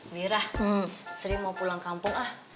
birah sri mau pulang kampung ah